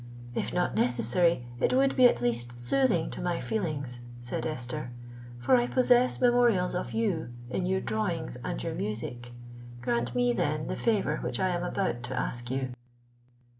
—"If not necessary, it would be at least soothing to my feelings," said Esther; "for I possess memorials of you, in your drawings and your music. Grant me, then, the favour which I am about to ask you."